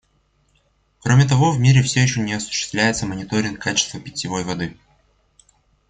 Кроме того, в мире все еще не осуществляется мониторинг качества питьевой воды.